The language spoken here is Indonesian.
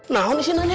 nah ong disinanya